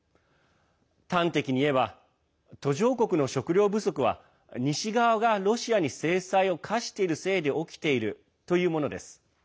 端的に言えば途上国の食料不足は、西側がロシアに制裁を科しているせいで起きているというものです。